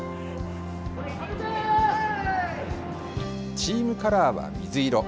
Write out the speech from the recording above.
チームカラーは水色。